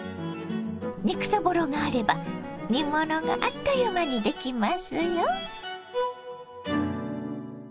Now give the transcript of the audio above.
肉そぼろがあれば煮物があっという間にできますよ。